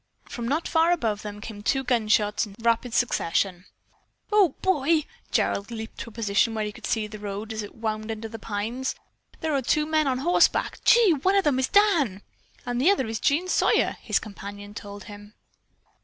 From not far above them came two gun shots in rapid succession. "Oh, boy!" Gerald leaped to a position where he could see the road as it wound under the pines. "There are two horsemen. Gee! One of 'em is Dan." "And the other is Jean Sawyer!" his companion told him.